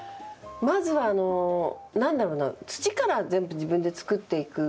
まずは何だろうな土から全部自分で作っていく。